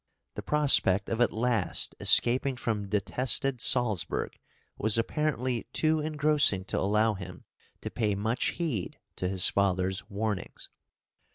The prospect of at last escaping from detested Salzburg was apparently too engrossing to allow him to pay much heed to his father's warnings.